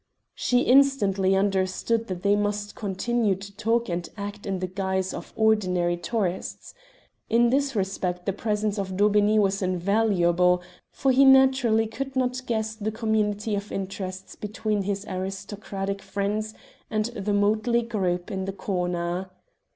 She instantly understood that they must continue to talk and act in the guise of ordinary tourists. In this respect the presence of Daubeney was invaluable, for he naturally could not guess the community of interest between his aristocratic friends and the motley group in the corner.